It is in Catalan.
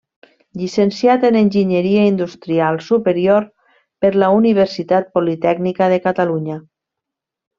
Llicenciat en enginyeria industrial superior per la Universitat Politècnica de Catalunya.